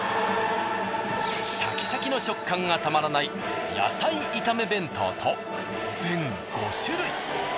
シャキシャキの食感がたまらない野菜炒め弁当と全５種類。